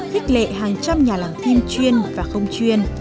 khích lệ hàng trăm nhà làm phim chuyên và không chuyên